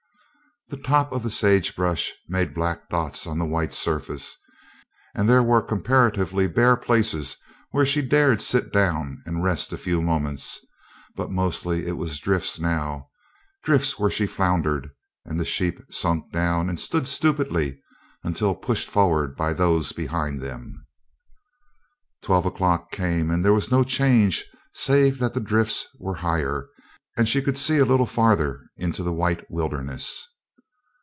The top of the sagebrush made black dots on the white surface, and there were comparatively bare places where she dared sit down and rest a few moments, but mostly it was drifts now drifts where she floundered and the sheep sunk down and stood stupidly until pushed forward by those behind them. Twelve o'clock came and there was no change save that the drifts were higher and she could see a little farther into the white wilderness.